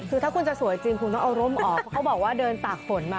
คุณจะสวยจริงคุณก็เอาร่มออกเขาบอกว่าเดินตากฝนมา